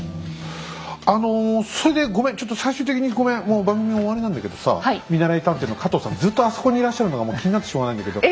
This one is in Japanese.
もう番組終わりなんだけどさ見習い探偵の加藤さんずっとあそこにいらっしゃるのがもう気になってしょうがないんだけど。